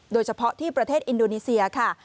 โดยเฉพาะที่ประเทศอินโดนีเซียค่ะ